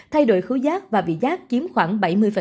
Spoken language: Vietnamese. thay đổi khối giác và vị giác chiếm khoảng bảy mươi